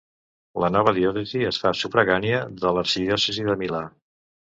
La nova diòcesi es fa sufragània de l'arxidiòcesi de Milà.